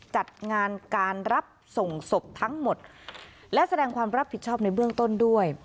จัดงานการรับส่งศพทั้งหมดและแสดงความรับผิดชอบในเบื้องต้นด้วย